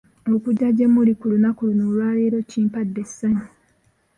Okujja gye muli ku lunaku luno olwaleero kimpadde essanyu.